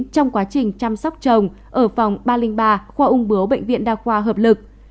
trong quá trình chăm sóc trồng ở phòng ba trăm linh ba khoa ung bưu bệnh viện đa khoa hợp lực